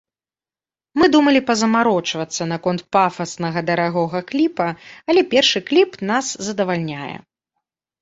Мы думалі пазамарочвацца наконт пафаснага дарагога кліпа, але першы кліп нас задавальняе.